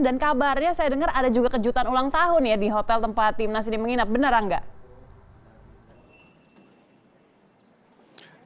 dan kabarnya saya dengar ada juga kejutan ulang tahun ya di hotel tempat timnas ini menginap benar nggak